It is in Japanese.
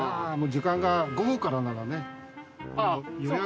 時間が午後からならね。